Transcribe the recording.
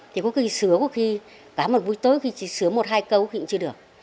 thì có khi sứa có khi cả một buổi tối khi sứa một hai câu thì cũng chưa được